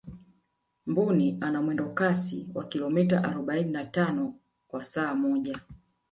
mbuni ana mwendo kasi wa kilomita arobaini na tano kwa saa moja